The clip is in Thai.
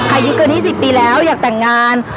อายุเกิน๒๐ปีแล้วอยากแต่งงาน